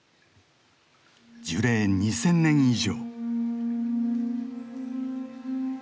樹齢２，０００年以上。